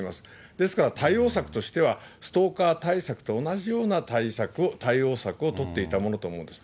ですから、対応策としては、ストーカー対策と同じような対策、対応策を取っていたものと見られます。